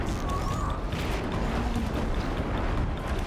خمونه